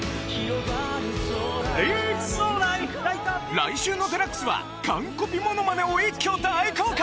来週の『ＤＸ』は完コピモノマネを一挙大公開！